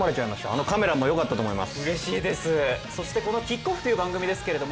あのカメラも良かったと思います。